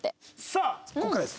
さあここからです。